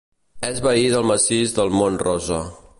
És veí del massís del Mont Rosa.